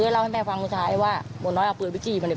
เล่าให้แม่ฟังสุดท้ายว่าหมดน้อยเอาปืนไปจีบในบ้าน